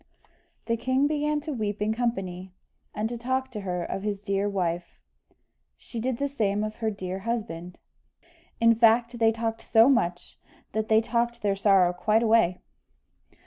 The king began to weep in company, and to talk to her of his dear wife she did the same of her dear husband: in fact they talked so much, that they talked their sorrow quite away.